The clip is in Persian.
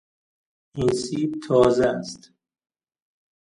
این سیب تازه است.